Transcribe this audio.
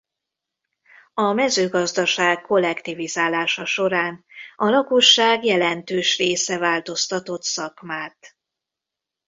A mezőgazdaság kollektivizálása során a lakosság jelentős része változtatott szakmát.